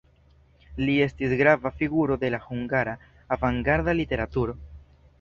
Li estis grava figuro de la hungara avangarda literaturo.